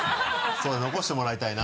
そうね残してもらいたいな。